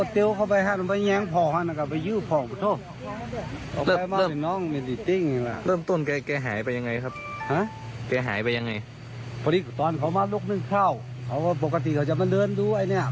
จะมาเดินที่ที่ดูอันนี้ก็เข้ามารถน้ำเฮดเก็บเห็ดเล็ดเฮด